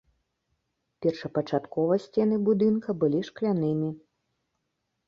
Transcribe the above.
Першапачаткова сцены будынка былі шклянымі.